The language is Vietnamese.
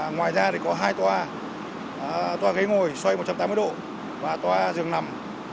ngoài ra thì có hai toa ghế ngồi xoay một trăm tám mươi độ và toa giường nằm